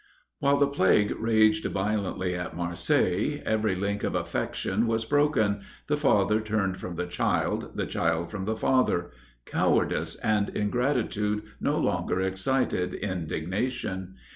While the plague raged violently at Marseilles, every link of affection was broken, the father turned from the child, the child from the father; cowardice and ingratitude no longer excited indignation.